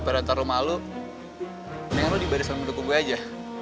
malu mendingan lo dibaris sama bentuk gue aja